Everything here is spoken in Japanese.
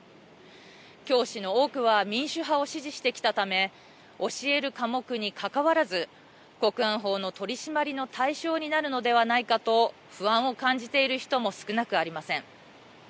教師の多くは民主派を支持してきたため教える科目にかかわらず国安法の取り締まりの対象になるのではないかと不安を感じている人も少なくありません。